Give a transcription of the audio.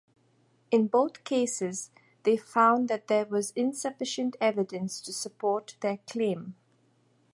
In both cases, they found that there was insufficient evidence to support their claim.